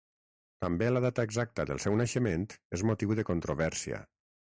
També la data exacta del seu naixement és motiu de controvèrsia.